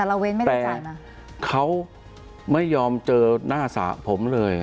แต่เราเว้นไม่ได้จ่ายมาแต่เค้าไม่ยอมเจอหน้าสาผมเลย